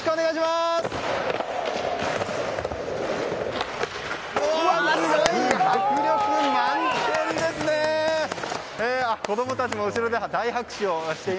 すごい！